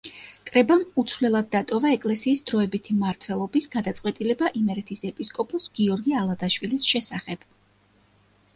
კრებამ უცვლელად დატოვა ეკლესიის დროებითი მმართველობის გადაწყვეტილება იმერეთის ეპისკოპოს გიორგი ალადაშვილის შესახებ.